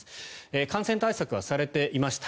感染対策はされていました。